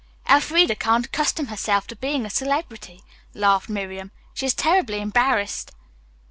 "Elfreda can't accustom herself to being a celebrity," laughed Miriam. "She is terribly embarrassed."